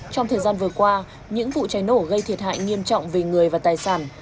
trong thời gian vừa qua những vụ cháy nổ gây thiệt hại nghiêm trọng về người và tài sản